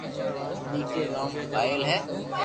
ديڪري رو نوم پايل ھي